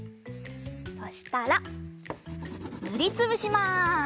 そしたらぬりつぶします。